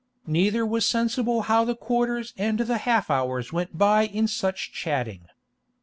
Neither was sensible how the quarters and the half hours went by in such chatting.